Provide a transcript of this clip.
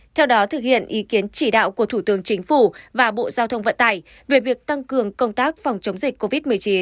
theo đó thực hiện ý kiến chỉ đạo của thủ tướng chính phủ và bộ giao thông vận tải về việc tăng cường công tác phòng chống dịch covid một mươi chín